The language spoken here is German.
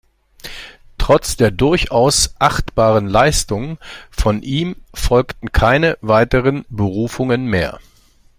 Trotz der durchaus achtbaren Leistung von ihm folgten keine weiteren Berufungen mehr.